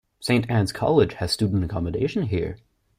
Saint Anne's College has student accommodation here.